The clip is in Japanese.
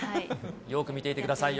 よく見ていてくださいよ。